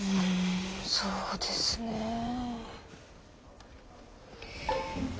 うんそうですねえ。